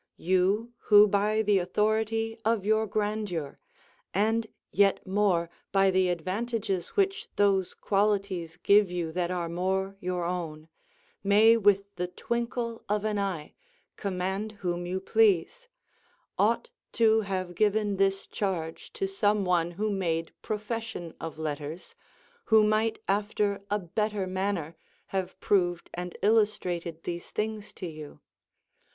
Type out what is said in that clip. You, who by the authority of your grandeur, and yet more by the advantages which those qualities give you that are more your own, may with the twinkle of an eye command whom you please, ought to have given this charge to some one who made profession of letters, who might after a better manner have proved and illustrated these things to you.